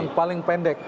yang paling pendek